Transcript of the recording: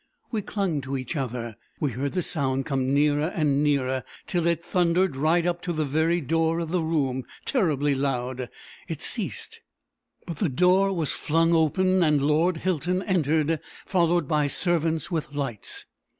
We clung to each other. We heard the sound come nearer and nearer, till it thundered right up to the very door of the room, terribly loud. It ceased. But the door was flung open, and Lord Hilton entered, followed by servants with lights.